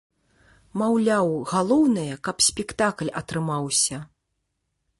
Маўляў, галоўнае, каб спектакль атрымаўся.